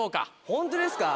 ホントですか。